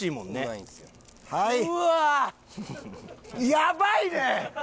やばいね！